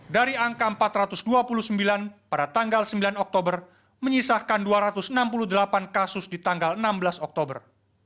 dari angka empat ratus dua puluh sembilan pada tanggal sembilan oktober menyisahkan dua ratus enam puluh delapan kasus di tanggal enam belas oktober